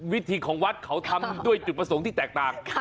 วิธีของวัดเขาทำด้วยจุดประสงค์ที่แตกต่าง